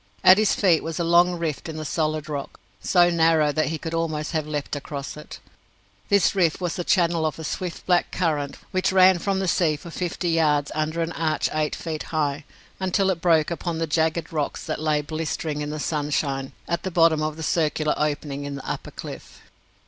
At his feet was a long rift in the solid rock, so narrow that he could almost have leapt across it. This rift was the channel of a swift black current which ran from the sea for fifty yards under an arch eight feet high, until it broke upon the jagged rocks that lay blistering in the sunshine at the bottom of the circular opening in the upper cliff.